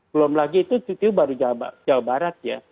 belum lagi itu baru jawa barat ya